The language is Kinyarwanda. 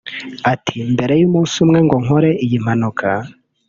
Ati “Mbere y’umunsi umwe ngo nkore iyi mpanuka